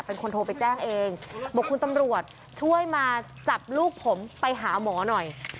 เป็นคนโทรไปแจ้งเองบอกคุณตำรวจช่วยมาจับลูกผมไปหาหมอหน่อย